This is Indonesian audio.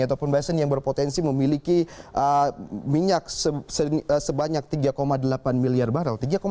ataupun basin yang berpotensi memiliki minyak sebanyak tiga delapan miliar barrel